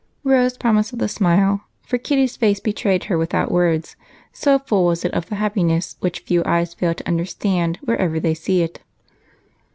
Rose promised with a smile, for Kitty's face betrayed her without words, so full was it of the happiness which few eyes fail to understand whenever they see it.